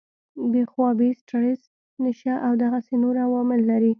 بې خوابي ، سټريس ، نشه او دغسې نور عوامل لري